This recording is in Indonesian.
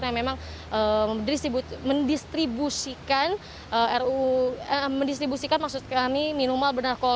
yang memang mendistribusikan minuman beralkohol